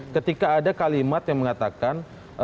ketika ada kalimat yang mengatakan